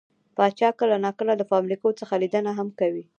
پاچا کله نا کله له فابريکو څخه ليدنه هم کوي .